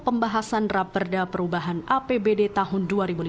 pembahasan raperda perubahan apbd tahun dua ribu lima belas